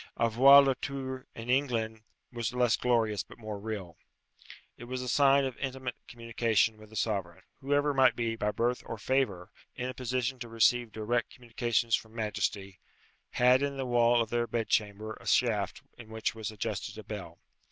Avoir le tour in England was less glorious but more real. It was a sign of intimate communication with the sovereign. Whoever might be, by birth or favour, in a position to receive direct communications from majesty, had in the wall of their bedchamber a shaft in which was adjusted a bell.